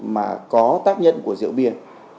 mà có tác nhân của rượu bia